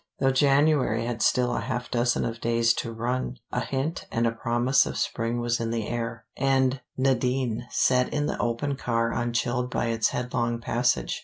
Though January had still a half dozen of days to run, a hint and promise of spring was in the air, and Nadine sat in the open car unchilled by its headlong passage.